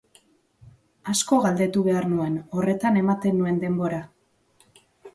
Asko galdetu behar nuen, horretan ematen nuen denbora.